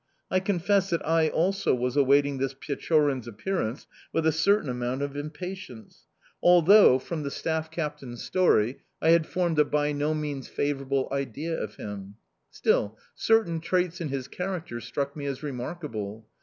I confess that I also was awaiting this Pechorin's appearance with a certain amount of impatience although, from the staff captain's story, I had formed a by no means favourable idea of him. Still, certain traits in his character struck me as remarkable.